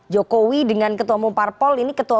jokowi dengan ketua umum parpol ini ketua